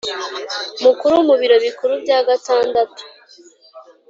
Mukuru mu biro Bikuru bya Gatandatu